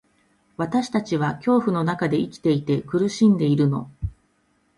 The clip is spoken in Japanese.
私たちは恐怖の中で生きていて、苦しんでいるの。